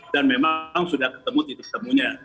dan memang sudah ketemu di disemunya